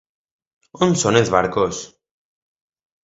On són els barcos?